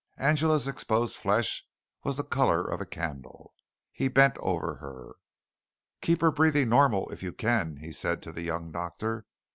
Angela's exposed flesh was the color of a candle. He bent over her. "Keep her breathing normal if you can," he said to the young doctor.